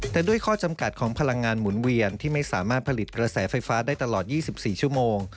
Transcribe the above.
แต่ด้วยข้อจำกัดของพลังงานหมุนเวียนที่ไม่สามารถผลิตกระแสไฟฟ้าได้ตลอด๒๔ชั่วโมง